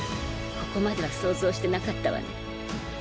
ここまでは想像してなかったわね。